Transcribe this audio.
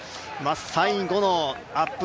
最後のアップ